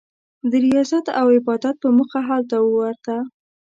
د ریاضت او عبادت په موخه هلته ورته.